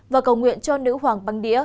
và cầu nguyện cho nữ hoàng băng đĩa